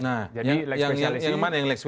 nah yang mana yang lex specialis